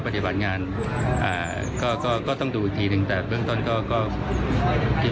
ปฏิบัติงานอ่าก็ก็ต้องดูอีกทีหนึ่งแต่เบื้องต้นก็ก็คือ